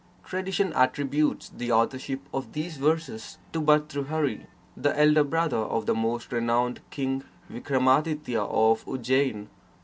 Tradition attributes the authorship of these verses to Bhartrhari, the elder brother of the most renowned King Vikramaditya of Ujjain.